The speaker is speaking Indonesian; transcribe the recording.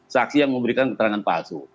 saksi yang memberikan keterangan palsu